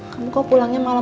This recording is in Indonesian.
kamu kok pulangnya malem bang